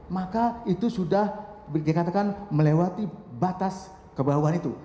maka itu sudah dikatakan melewati batas kebawahan itu